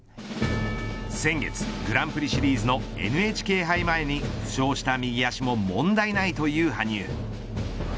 先月、グランプリシリーズのＮＨＫ杯前に負傷した右足も問題ないという羽生。